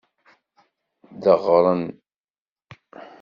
Deɣren.